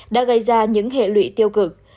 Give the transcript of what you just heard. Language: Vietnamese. đã gây ra những hệ lụy tiêu cực